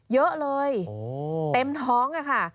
เยอะเลยเต็มท้องอะค่ะ